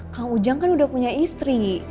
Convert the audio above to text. kang ujang kan udah punya istri